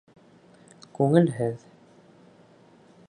— Күңелһеҙ.